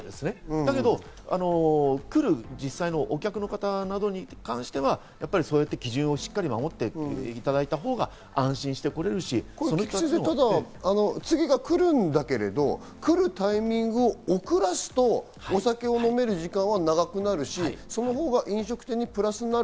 だけど実際来るお客の方に関しては、そうやって基準をしっかり守っていただいたほうが菊地先生、次が来るんだけれど、来るタイミングを遅らせると、お酒を飲める時間は長くなるし、そのほうが飲食店にプラスになる。